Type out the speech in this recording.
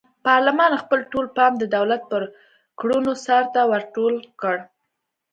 پارلمان خپل ټول پام د دولت پر کړنو څار ته ور ټول کړ.